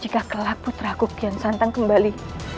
jika kelaput raku kian santang kembali